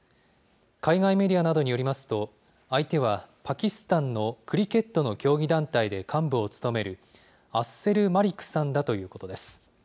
海外メディアなどによりますと、相手は、パキスタンのクリケットの競技団体で幹部を務める、アッセル・マリクさんだということです。